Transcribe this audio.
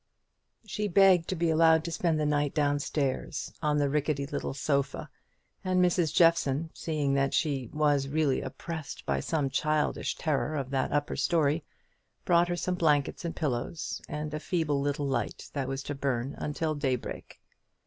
She begged to be allowed to spend the night down stairs on the rickety little sofa; and Mrs. Jeffson, seeing that she was really oppressed by some childish terror of that upper story, brought her some blankets and pillows, and a feeble little light that was to burn until daybreak.